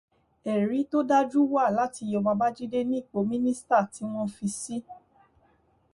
Ẹ̀rí tó dájú wà láti yọ Babájídé nípò mínísítà tíwọ́n fi sí